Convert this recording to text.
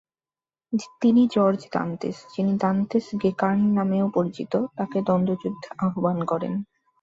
তিনি George Dantes, যিনি Dantes Gekkern নামেও পরিচিত, তাকে দ্বন্দ্বযুদ্ধে আহ্বান করেন।